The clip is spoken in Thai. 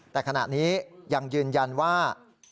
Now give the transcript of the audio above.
แต่ขณะนี้ยังยืนยันว่า